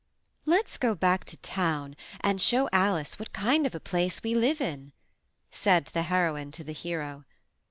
"Let's go back to town and show Alice what kind of a place we live in," said the Heroine to the Hero.